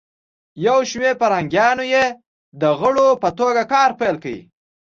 یو شمیر فرهنګیانو یی د غړو په توګه کار پیل کړ.